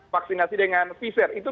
vaksinasi dengan pfizer